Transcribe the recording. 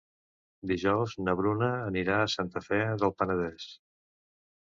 Dijous na Bruna anirà a Santa Fe del Penedès.